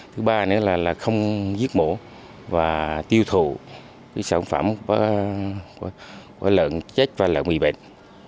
thứ ba nữa là không giết mổ và tiêu thụ sản phẩm có lợn chết và lợn bị bệnh